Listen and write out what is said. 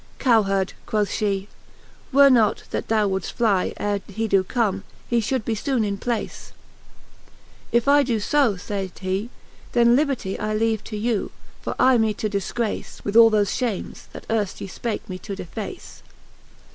^.Cowherd, quoth fhe, were not, that thou woilldft fly. Ere thou doe come, he Ihould be fbone.in place. If I doe fb, iayd he, then liberty I leave to you, for aye me to difgrace 'With all thofe fhames, thaterft ye fpake me to deface.